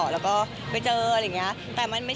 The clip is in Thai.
แล้วก็ไปเจออะไรอย่างนี้